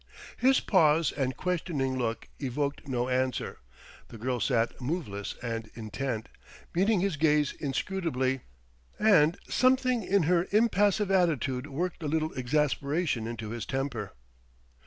His pause and questioning look evoked no answer; the girl sat moveless and intent, meeting his gaze inscrutably. And something in her impassive attitude worked a little exasperation into his temper.